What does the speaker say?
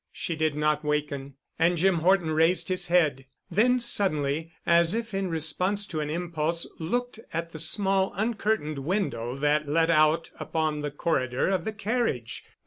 She did not waken, and Jim Horton raised his head. Then suddenly, as if in response to an impulse, looked at the small, uncurtained window that let out upon the corridor of the carriage.